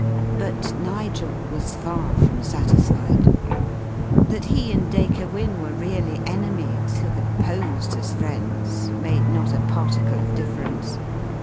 But Nigel was far from satisfied. That he and Dacre Wynne were really enemies, who had posed as friends made not a particle of difference.